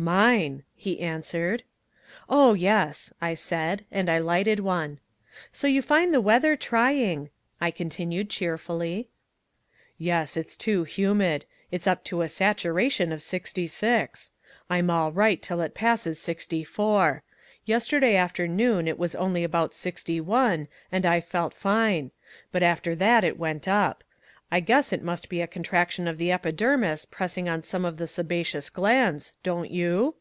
"Mine," he answered. "Oh, yes," I said, and I lighted one. "So you find the weather trying," I continued cheerfully. "Yes, it's too humid. It's up to a saturation of sixty six. I'm all right till it passes sixty four. Yesterday afternoon it was only about sixty one, and I felt fine. But after that it went up. I guess it must be a contraction of the epidermis pressing on some of the sebaceous glands, don't you?"